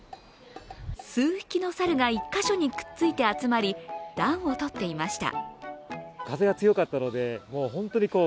数匹の猿が１か所にくっついて集まり、暖をとっていました。